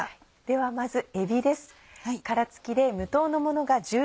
ではまずえびです。